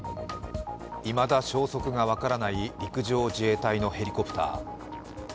いまだ消息が分からない陸上自衛隊のヘリコプター。